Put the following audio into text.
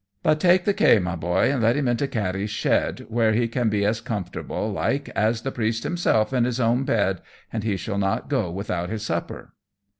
But take the kay, my Boy, and let him into Katty's shed, where he can be as comfortable, like, as the priest himself in his own bed, and he shall not go without his supper."